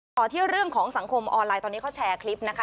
ต่อที่เรื่องของสังคมออนไลน์ตอนนี้เขาแชร์คลิปนะคะ